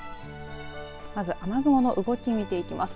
まず、雨雲の動き見ていきます。